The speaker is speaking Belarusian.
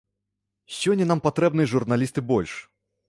Сёння нам патрэбныя журналісты больш.